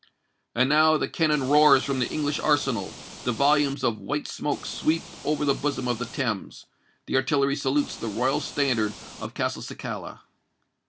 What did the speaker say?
And now the cannon roars from the English arsenal: the volumes of white smoke sweep over the bosom of the Thames;—the artillery salutes the royal standard of Castelcicala.